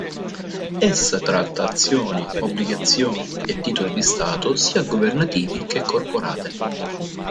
Essa tratta azioni, obbligazioni e titoli di stato, sia governativi che corporate.